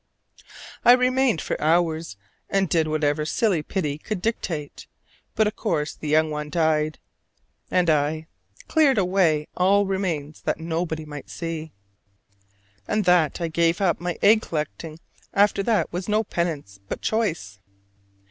I remained for hours and did whatever silly pity could dictate: but of course the young one died: and I cleared away all remains that nobody might see! And that I gave up egg collecting after that was no penance, but choice.